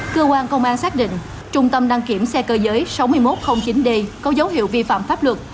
cơ quan công an xác định trung tâm đăng kiểm xe cơ giới sáu nghìn một trăm linh chín d có dấu hiệu vi phạm pháp luật